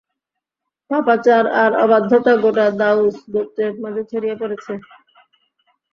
পাপাচার আর অবাধ্যতা গোটা দাউস গোত্রের মাঝে ছড়িয়ে পড়েছে।